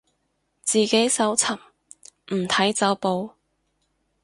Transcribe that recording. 自己搜尋，唔睇走寶